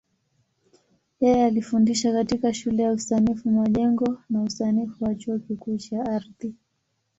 Yeye alifundisha katika Shule ya Usanifu Majengo na Usanifu wa Chuo Kikuu cha Ardhi.